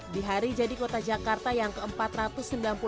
di hari jadi kota jakarta yang keempat ratus